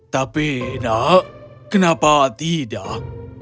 tapi nak kenapa tidak